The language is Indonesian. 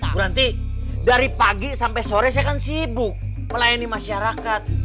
berarti dari pagi sampai sore saya kan sibuk melayani masyarakat